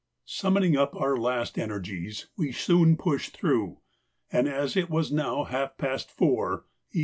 Summoning up our last energies, we soon pushed through, and as it was now half past four, E.